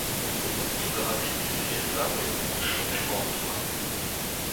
Seblantout a ra din e vefen laouen o chom er c'horn-douar-mañ.